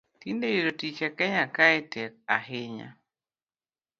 Tinde yudo tich e kenya kae tek ahinya